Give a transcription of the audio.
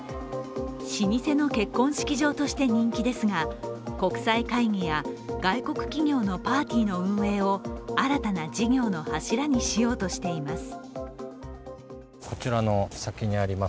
老舗の結婚式場として人気ですが、国際会議や外国企業のパーティーの運営を新たな事業の柱にしようとしています。